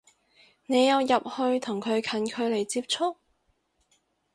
你有入去同佢近距離接觸？